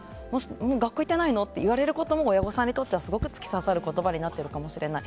学校行ってないのって言われることも親御さんにとってはすごく突き刺さる言葉になってるかもしれない。